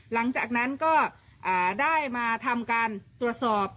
หลังจากนั้นก็ได้มาทำการตรวจสอบ